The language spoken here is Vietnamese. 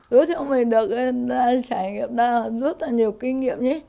hứa theo mình được trải nghiệm này rất là nhiều kinh nghiệm